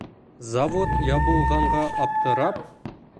Завод ябылғанға аптырап...